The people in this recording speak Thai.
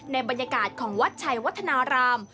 บรรยากาศของวัดชัยวัฒนาราม